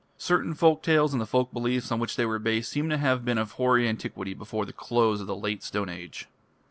Certain folk tales, and the folk beliefs on which they were based, seem to have been of hoary antiquity before the close of the Late Stone Age.